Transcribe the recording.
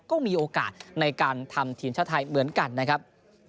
ก็มีโอกาสในการทำทีมชาติไทยเหมือนกันนะครับ